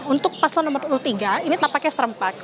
untuk paslon nomor urut tiga ini tampaknya serempak